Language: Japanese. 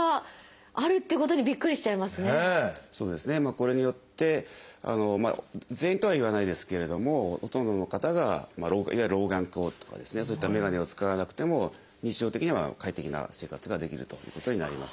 これによって全員とは言わないですけれどもほとんどの方がいわゆる老眼鏡とかですねそういったメガネを使わなくても日常的には快適な生活ができるということになります。